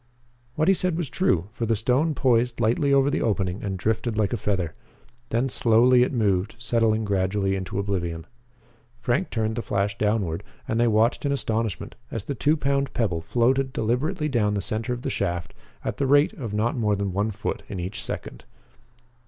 What he said was true, for the stone poised lightly over the opening and drifted like a feather. Then slowly it moved, settling gradually into oblivion. Frank turned the flash downward and they watched in astonishment as the two pound pebble floated deliberately down the center of the shaft at the rate of not more than one foot in each second.